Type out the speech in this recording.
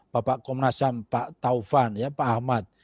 bapak komnasyam pak taufan pak ahmad